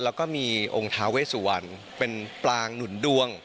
แล้วก็มีองค์ท้าเวสุวรรณเป็นปลางหนุนดวง